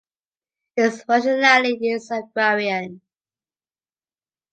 Its functionality is agrarian.